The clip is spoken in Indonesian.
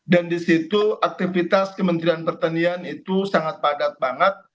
dan di situ aktivitas kementerian pertanian itu sangat padat banget